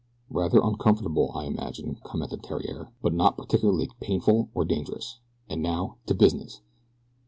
"Rather uncomfortable, I imagine," commented Theriere; "but not particularly painful or dangerous and now to business!"